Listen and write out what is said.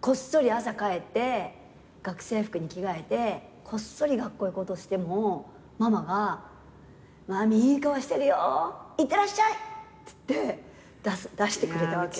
こっそり朝帰って学生服に着替えてこっそり学校行こうとしてもママが「真実いい顔してるよいってらっしゃい！」っつって出してくれたわけ。